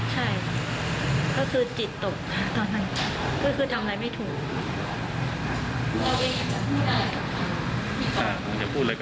ใช่คือจิตตกค่ะตอนนั้นก็จะทำอะไรไม่ถูก